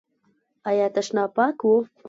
ایا تشناب پاک و؟